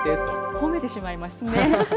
ほめてしまいます。